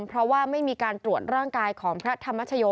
เพราะว่าไม่มีการตรวจร่างกายของพระธรรมชโย